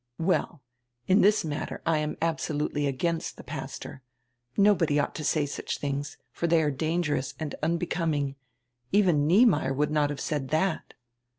"Well, in diis matter I am absolutely against die pastor. Nobody ought to say such tilings, for they are dangerous and unbecoming. Even Niemeyer would not have said that."